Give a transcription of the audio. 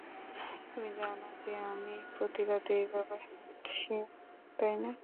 তুমি জানো যে আমি প্রতি রাতে এইভাবে হাঁটছি, তাই না?